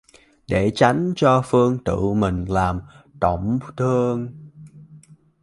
Để chánh cho Phương tự mình làm tổn thương